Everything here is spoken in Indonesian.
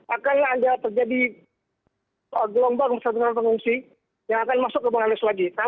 akan ada terjadi gelombang pertengahan pengungsi yang akan masuk ke bangladesh lagi